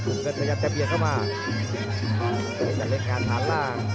ทุกเกิร์ตพยายามจะเปลี่ยนเข้ามาเพื่อจะเล่นงานฐานล่าง